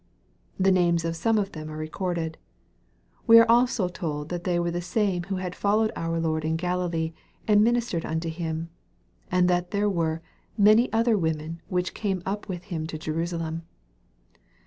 The names of some of them are recorded. We are also told that they were the same who had followed our Lord in Galilee and ministered unto Him, and that there were " many other women which came up with him to Jerusalem."